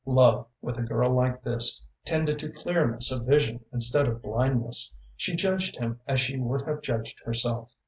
Love, with a girl like this, tended to clearness of vision instead of blindness. She judged him as she would have judged herself.